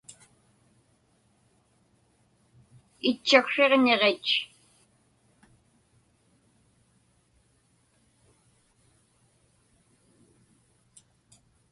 Itchaksriġñiġit